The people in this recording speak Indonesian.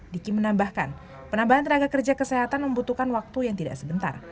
diki menambahkan penambahan tenaga kerja kesehatan membutuhkan waktu yang tidak sebentar